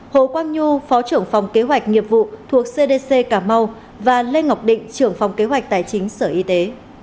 hồ quang nhu phó trưởng phòng kế hoạch nghiệp vụ thuộc cdc cảm mau và lê ngọc định trưởng phòng kế hoạch tài chính sở y tế